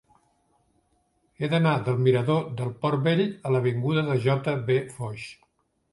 He d'anar del mirador del Port Vell a l'avinguda de J. V. Foix.